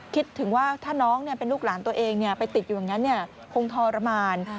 คิดถึงว่าถ้าน้องเป็นลูกหลานตัวเองไปติดอยู่อย่างนั้นคงทรมาน